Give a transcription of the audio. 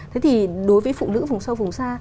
thế thì đối với phụ nữ vùng sâu vùng xa